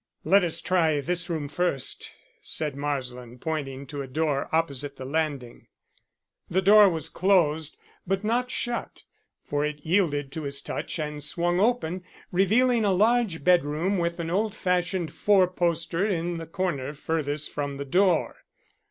"Let us try this room first," said Marsland, pointing to a door opposite the landing. The door was closed but not shut, for it yielded to his touch and swung open, revealing a large bedroom with an old fashioned fourposter in the corner furthest from the door.